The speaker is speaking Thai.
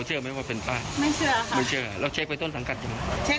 สุดท้ายนะฮะไปถาม